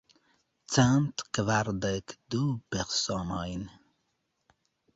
Cent kvardek du personojn.